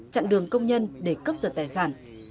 chặn đường công nhân để cướp giật tài sản